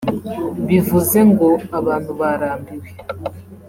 ” bivuze ngo “abantu barambiwe